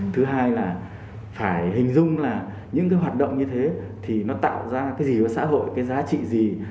thứ hai là phải hình dung là những cái hoạt động như thế thì nó tạo ra cái gì cho xã hội cái giá trị gì